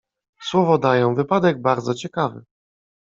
"Słowo daję, wypadek bardzo ciekawy“."